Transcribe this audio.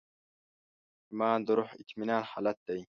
ایمان د روح د اطمینان حالت دی.